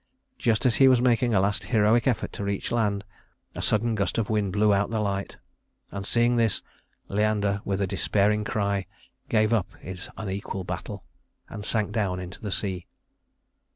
Just as he was making a last heroic effort to reach the land, a sudden gust of wind blew out the light; and seeing this, Leander with a despairing cry, gave up his unequal battle and sank down into the sea.